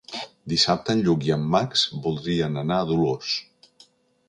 Dissabte en Lluc i en Max voldrien anar a Dolors.